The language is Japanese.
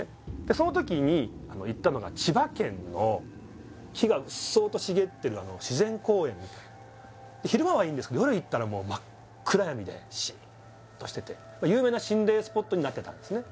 その時に行ったのが千葉県の木がうっそうと茂ってる自然公園みたいな昼間はいいんですけど夜行ったらもう真っ暗闇でシンとしてて有名な心霊スポットになってたんですね